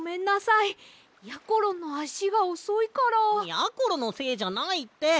やころのせいじゃないって！